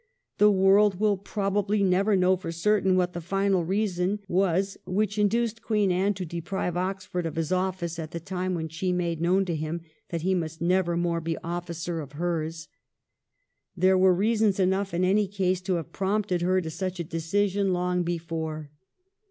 The world will probably never know for certain what the final reason was which induced Queen Anne to deprive Oxford of his office at the time when she made known to him that he must never more be officer of hers. There were reasons enough in any case to have prompted her to such a decision long before.